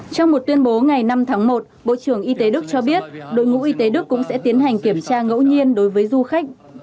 trong một tuyên bố ngày năm tháng một bộ trưởng y tế đức cho biết đội ngũ y tế đức cũng sẽ tiến hành kiểm tra ngẫu nhiên đối với du khách